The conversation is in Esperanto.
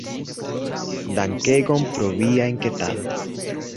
Dankegon pro via enketado.